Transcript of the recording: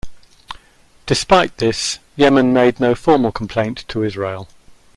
Despite this, Yemen made no formal complaint to Israel.